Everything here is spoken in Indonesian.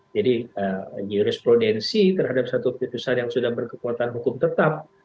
jadi jurisprudensi terhadap satu putusan yang sudah berkekuatan hukum tetap